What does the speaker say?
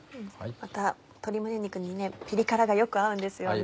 また鶏胸肉にピリ辛がよく合うんですよね。